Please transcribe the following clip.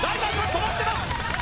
止まってます